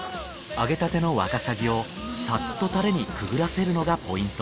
揚げたてのワカサギをサッとタレにくぐらせるのがポイント。